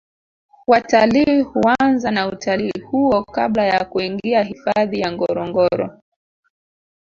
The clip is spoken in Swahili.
watalii huanza na utalii huo kabla ya kuingia hifadhi ya ngorongoro